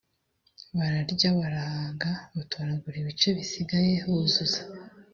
bararya barahaga h batoragura ibice bisigaye buzuza